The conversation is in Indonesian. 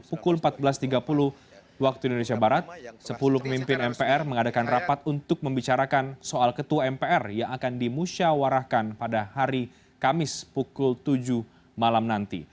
pukul empat belas tiga puluh waktu indonesia barat sepuluh pemimpin mpr mengadakan rapat untuk membicarakan soal ketua mpr yang akan dimusyawarahkan pada hari kamis pukul tujuh malam nanti